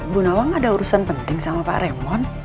bu nawang ada urusan penting sama pak remon